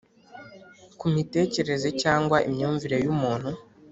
ku mitekerereze cyangwa imyumvire yumuntu